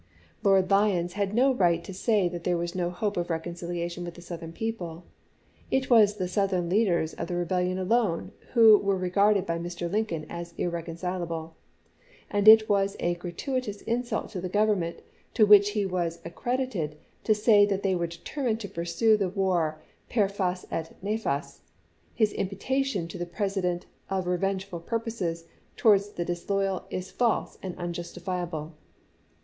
Lord Lyons had no right to say that there was no hope of reconciliation with the Southern people; it was the Southern leaders of the rebellion alone who were regarded by Mr. Lin coln as irreconcilable; and it was a gratuitous insult to the Government to which he was accred ited to say they were determined to pursue the war per fas et nefas ; his imputation to the Presi dent of revengeful purposes towards the disloyal is false and unjustifiable.